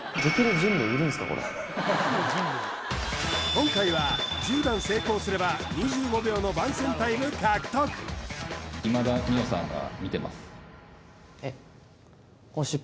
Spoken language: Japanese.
今回は１０段成功すれば２５秒の番宣タイム獲得えっ